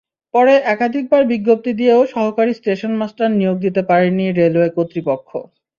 পরে একাধিকবার বিজ্ঞপ্তি দিয়েও সহকারী স্টেশনমাস্টার নিয়োগ দিতে পারেনি রেলওয়ে কর্তৃপক্ষ।